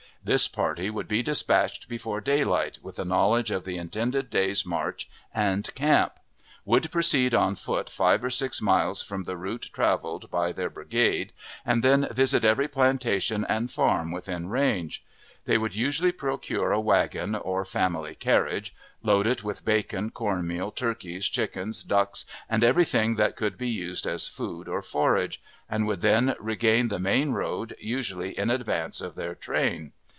This party would be dispatched before daylight with a knowledge of the intended day's march and camp; would proceed on foot five or six miles from the route traveled by their brigade, and then visit every plantation and farm within range. They would usually procure a wagon or family carriage, load it with bacon, corn meal, turkeys, chickens, ducks, and every thing that could be used as food or forage, and would then regain the main road, usually in advance of their train.